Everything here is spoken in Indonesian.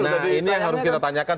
nah ini yang harus kita tanyakan